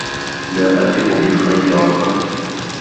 لا أثق بالخياط.